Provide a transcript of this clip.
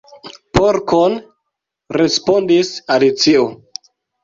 "Porkon," respondis Alicio.